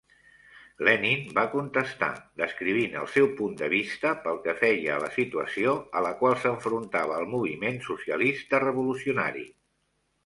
Lenin va contestar, descrivint el seu punt de vista pel que feia a la situació a la qual s'enfrontava el moviment socialista revolucionari.